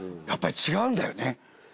やっぱり違うんだよね。